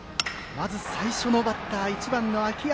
最初のバッター、１番の秋山。